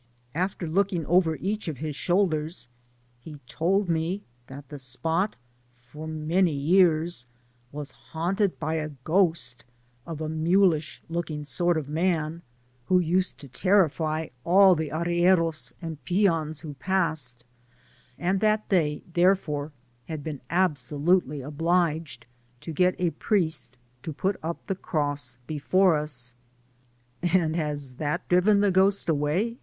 After looking over each of his shoulders, he told me that the spot for many years was haunted by the ghost of a mulish looking sort of man who used to terrify all the arrieros and peons who passed, and that they, therefore, had been absolutely obliged to get a priest to put up the cross before us. And has that driven the ghost away?